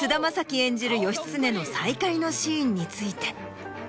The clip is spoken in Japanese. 演じる義経の再会のシーンについて。